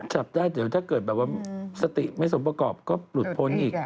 จับได้เดี๋ยวถ้าเกิดแบบว่าสติไม่สมประกอบก็หลุดพ้นอีก